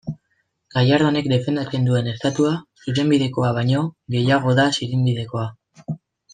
Gallardonek defendatzen duen Estatua, zuzenbidekoa baino, gehiago da zirinbidekoa.